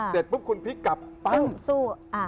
พบพุ่มคุณพฤทธิ์กลับสู้